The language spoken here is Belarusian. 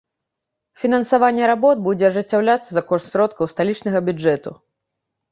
Фінансаванне работ будзе ажыццяўляцца за кошт сродкаў сталічнага бюджэту.